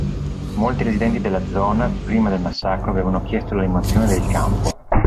Molti residenti della zona, prima del massacro, avevano chiesto la rimozione del campo.